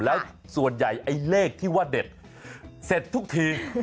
แล้วส่วนใหญ่ไอ้เลขที่ว่าเด็ดเสร็จทุกที